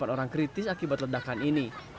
delapan orang kritis akibat ledakan ini